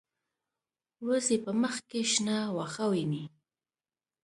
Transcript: وزې په مخ کې شنه واښه ویني